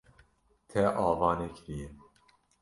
Te ava nekiriye.